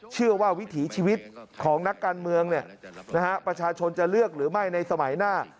วิถีชีวิตของนักการเมืองประชาชนจะเลือกหรือไม่ในสมัยหน้า